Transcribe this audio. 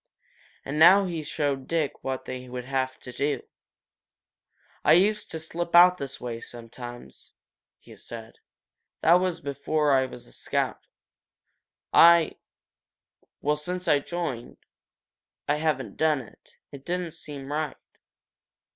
And now he showed Dick what they would have to do. "I used to slip out this way, sometimes," he said. "That was before I was a scout. I well, since I joined, I haven't done it. It didn't seem right.